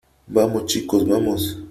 vamos , chicos . vamos .